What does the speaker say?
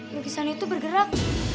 yang disana itu bergerak